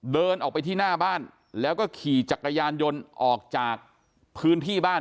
เดินออกไปที่หน้าบ้านแล้วก็ขี่จักรยานยนต์ออกจากพื้นที่บ้าน